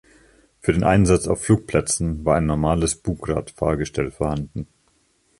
Für den Einsatz auf Flugplätzen war ein normales Bugrad-Fahrgestell vorhanden.